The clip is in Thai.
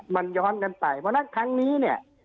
มันย้อนกันไปเพราะฉะนั้นครั้งนี้เนี่ย